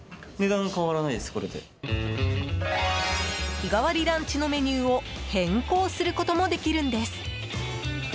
日替わりランチのメニューを変更することもできるんです。